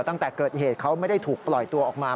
ตั้งแต่เกิดเหตุเขาไม่ได้ถูกปล่อยตัวออกมา